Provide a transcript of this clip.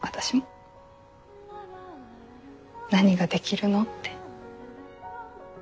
何ができるの？って。